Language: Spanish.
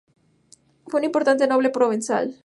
Fue un importante noble provenzal.